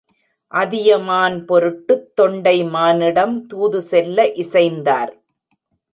அதியமான் பொருட்டுத் தொண்டைமானிடம் தூதுசெல்ல இசைந்தார்.